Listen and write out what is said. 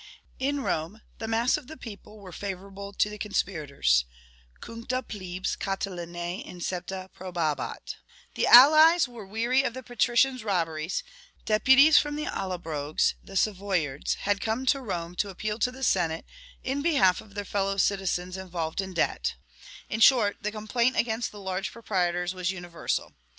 In Rome, the mass of the people were favorable to the conspirators cuncta plebes Catilinae incepta probabat; the allies were weary of the patricians' robberies; deputies from the Allobroges (the Savoyards) had come to Rome to appeal to the Senate in behalf of their fellow citizens involved in debt; in short, the complaint against the large proprietors was universal.